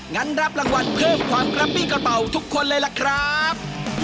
งั้นรับรางวัลเพิ่มความกระปิ้งกระเป๋าทุกคนเลยล่ะครับ